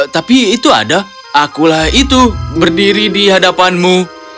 tapi itu ada akulah itu berdiri di hadapanmu